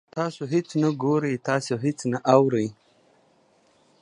تاسو هیڅ نه ګورئ، تاسو هیڅ نه اورئ